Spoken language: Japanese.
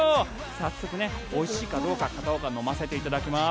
早速、おいしいかどうか片岡、飲ませていただきます。